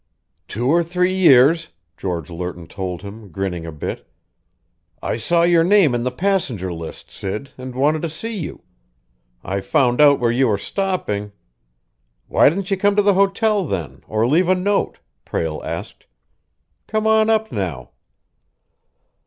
"Two or three years," George Lerton told him, grinning a bit. "I saw your name in the passenger list, Sid, and wanted to see you. I found out where you are stopping " "Why didn't you come to the hotel, then, or leave a note?" Prale asked. "Come on up now."